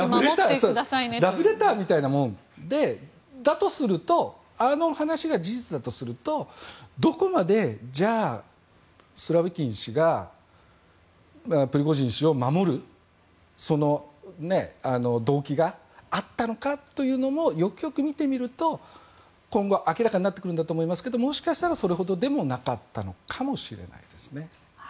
ラブレターみたいなものであの話が事実だとするとどこまでスロビキン氏がプリゴジン氏を守る動機があったのかというのもよくよく見てみると今後明らかになってくるんだと思いますがもしかしたら、それほどでもなかったのかもしれないですね。